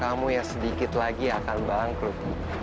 dan hotel kamu yang sedikit lagi akan bangkrut